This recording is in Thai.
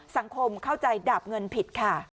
สังคมเข้าใจดาบเงินผิดค่ะ